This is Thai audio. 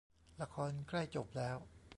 ละครใกล้จบแล้ว